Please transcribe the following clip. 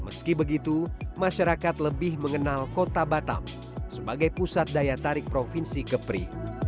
meski begitu masyarakat lebih mengenal kota batam sebagai pusat daya tarik provinsi kepri